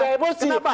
kenapa emosi itu